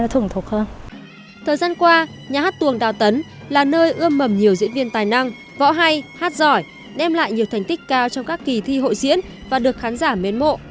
hát tuồng đào tấn là nơi ươm mầm nhiều diễn viên tài năng võ hay hát giỏi đem lại nhiều thành tích cao trong các kỳ thi hội diễn và được khán giả mến mộ